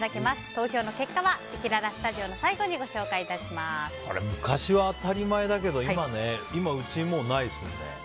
投票の結果はせきららスタジオの最後に昔は当たり前だけど今、うちはもうないですもんね。